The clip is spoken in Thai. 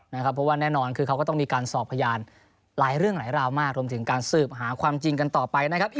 เพราะว่าแน่นอนคือเขาก็ต้องมีการสอบพยานหลายเรื่องหลายราวมากรวมถึงการสืบหาความจริงกันต่อไปนะครับ